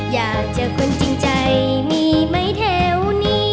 อยากเจอคนจริงใจมีไหมแถวนี้